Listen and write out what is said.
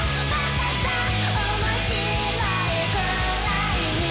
「おもしろいくらいに」